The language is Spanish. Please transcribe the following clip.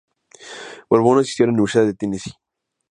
Borbón asistió a la Universidad de Tennessee.